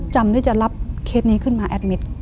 จำได้จะรับเคสนี้ขึ้นมาแอดมิตร